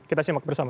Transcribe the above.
kita simak bersama